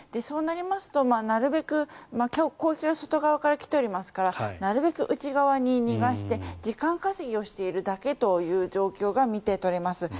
そうなりますと、なるべく攻撃は外側から来ていますからなるべく内側に逃がして時間稼ぎをしているだけという状況が見て取れます。